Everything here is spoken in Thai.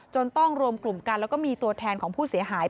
ต้องรวมกลุ่มกันแล้วก็มีตัวแทนของผู้เสียหาย